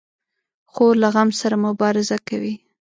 خور له غم سره مبارزه کوي.